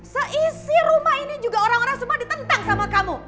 seisi rumah ini juga orang orang semua ditentang sama kamu